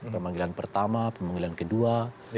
pemanggilan pertama pemanggilan kedua